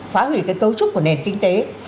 phá hủy cái cấu trúc của nền kinh tế